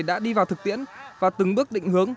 đã đi vào thực tiễn và từng bước định hướng